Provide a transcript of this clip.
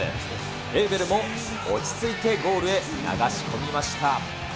エウベルも落ち着いてゴールへ流し込みました。